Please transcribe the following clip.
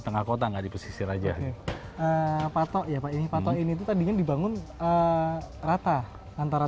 tengah kota nggak di pesisir aja patok ya pak ini patok ini itu tadinya dibangun rata antara